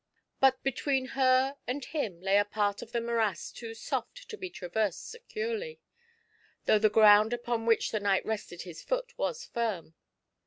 But between her and him lay a part of the morass too soft to be traversed securely, though the ground upon which the knight rested his foot was firm.